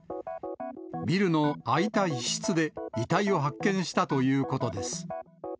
ビルの空いた一室で遺体を発見したということです。